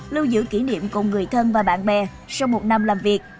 lưu giữ kỷ niệm cùng người thân và bạn bè sau một năm làm việc